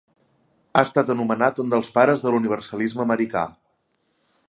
Ha estat anomenat un dels pares de l'universalisme americà.